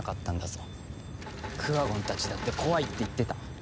クワゴンたちだって怖いって言ってた。